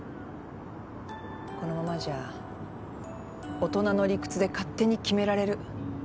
このままじゃ大人の理屈で勝手に決められる。